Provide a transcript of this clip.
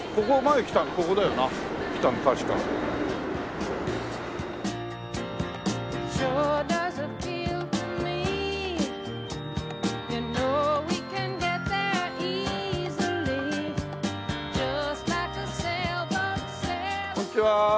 こんにちは。